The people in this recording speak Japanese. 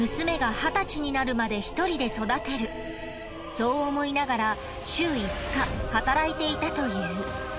そう思いながら週５日働いていたという。